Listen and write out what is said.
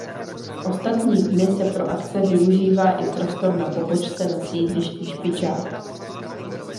V ostatní dny se pro akce využívá i prostor na pobočce na sídlišti Špičák.